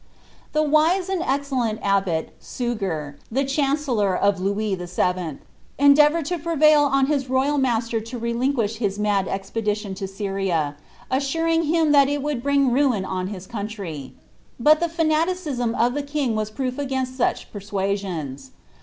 The wise and excellent abbot, Suger, the chancellor of Louis VIl., endeavoured Co prevail on his royal master to relinquish his mad elpt dilioo to Syria, assuring him that it would bring ruin on his countrj; but ihe Ikiiaiicism of the king was proof against such persuasisM.